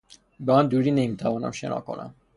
به آن دوری نمیتوانم شنا کنم.